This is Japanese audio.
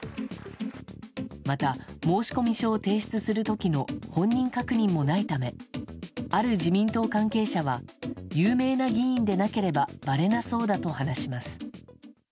また、申込書を提出する時の本人確認もないためある自民党関係者は有名な議員でなければばれなそうだと話します。